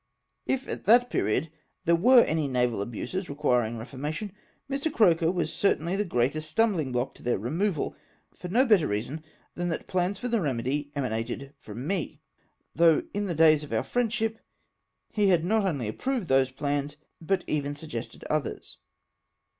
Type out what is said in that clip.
If, at that period, there were any naval abuses requhing reformation, Mr. Croker was certainly the greatest stumbhno; block to their removal, for no better reason than that plans for their remedy emanated from me, though in the days of our friendship, he had not only approved those plans, but even suggested others.